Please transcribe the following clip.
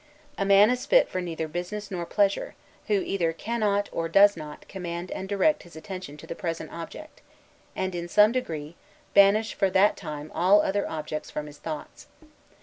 A man is fit for neither business nor pleasure, who either cannot, or does not, command and direct his attention to the present object, and, in some degree, banish for that time all other objects from his thoughts.